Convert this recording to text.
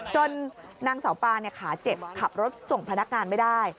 นางสาวปาขาเจ็บขับรถส่งพนักงานไม่ได้